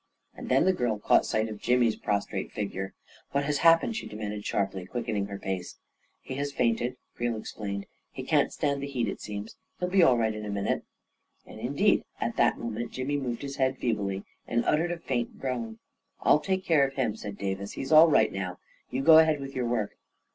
And then the girl caught sight of Jimmy's pros trate figure. "What has happened?" she demanded, sharply, quickening her pace. " He has fainted," Creel explained. " He can't stand the heat, it seems. He'll be all right in a minute." And indeed at that moment Jimmy moved his head feebly and uttered a faint groan. " I'll take care of him," said Davis. " He's all right now. You go ahead with your work."